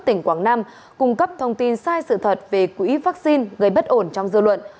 tỉnh quảng nam cung cấp thông tin sai sự thật về quỹ vaccine gây bất ổn trong dư luận